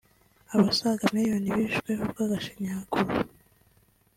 Abasaga miliyoni bishwe urw’agashinyaguro